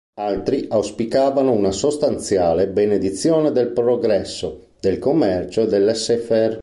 Altri auspicavano una sostanziale benedizione del progresso, del commercio e del laissez faire.